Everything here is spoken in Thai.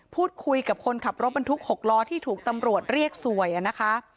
พูดคุยกับคนขับรถบรรทุก๖ล้อที่ถูกตำรวจเรียกสวยนะคะ